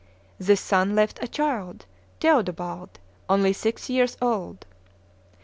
This son left a child, Theodoald, only six years old.